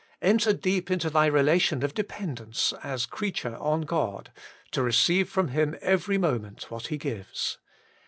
Enter deep into thy relation of dependence as creature on God, to receive from TTim every moment what He gives.